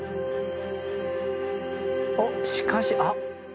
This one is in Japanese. おっしかしあっ！